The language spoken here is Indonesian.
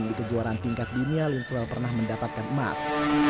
di kejuaraan tingkat dunia linzwell pernah mendapatkan emas